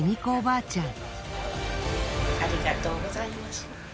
ありがとうございます。